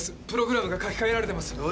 プログラムが書き換えられてます。